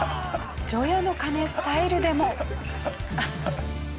除夜の鐘スタイルでも。